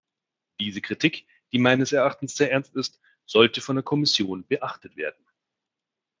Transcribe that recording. Diese Kritik, die meines Erachtens sehr ernst ist, sollte von der Kommission beachtet werden.